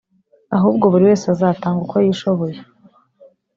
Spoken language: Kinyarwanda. ahubwo buri wese azatanga uko yishoboye